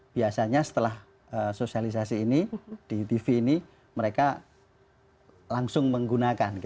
biasanya setelah sosialisasi ini di tv ini mereka langsung menggunakan